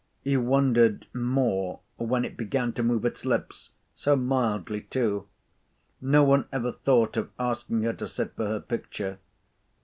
You wondered more when it began to move its lips—so mildly too! No one ever thought of asking her to sit for her picture.